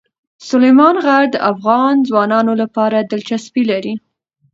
سلیمان غر د افغان ځوانانو لپاره دلچسپي لري.